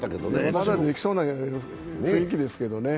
まだできそうな雰囲気ですけどね。